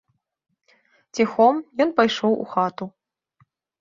Ціхом ён пайшоў у хату.